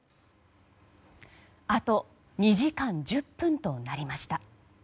あと２時間１０分となりました。